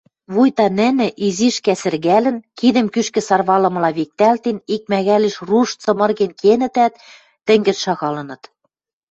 Вуйта нӹнӹ, изиш кӓсӹргӓлӹн, кидӹм кӱшкӹ сарвалымыла виктӓлтен, икмӓгӓлеш руж цымырген кенӹтӓт, тӹнгӹн шагалыныт.